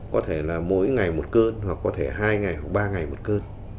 có thể là mỗi ngày một cơn hoặc có thể hai ngày hoặc ba ngày một cơn